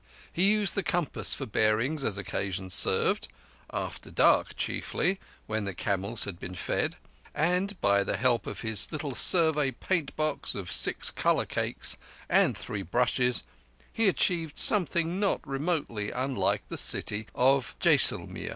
He used the compass for bearings as occasion served—after dark chiefly, when the camels had been fed—and by the help of his little Survey paint box of six colour cakes and three brushes, he achieved something not remotely unlike the city of Jeysulmir.